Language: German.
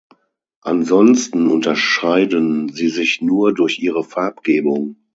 Ansonsten unterscheiden sie sich nur durch ihre Farbgebung.